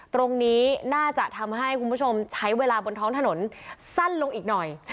ตรงนี้น่าจะทำให้คุณผู้ชมใช้เวลาบนท้องถนนสั้นลงอีกหน่อย